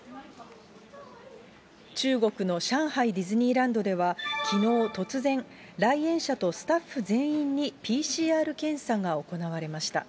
中国の上海ディズニーランドではきのう、突然、来園者とスタッフ全員にＰＣＲ検査が行われました。